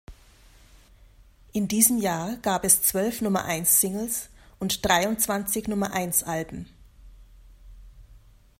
In diesem Jahr gab es zwölf Nummer-eins-Singles und dreiundzwanzig Nummer-eins-Alben.